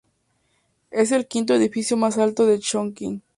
Es el quinto edificio más alto de Chongqing.